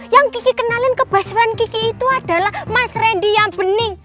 yang kiki kenalin kebasuan kiki itu adalah mas randy yang bening